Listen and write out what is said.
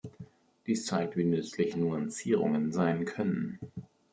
Dies zeigt, wie nützlich Nuancierungen sein können.